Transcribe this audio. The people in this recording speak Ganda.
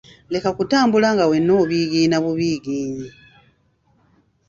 Leka kutambula nga wenna obigiina bubugiinyi.